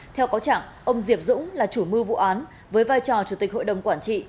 theo cáo trạng ông diệp dũng là chủ mưu vụ án với vai trò chủ tịch hội đồng quản trị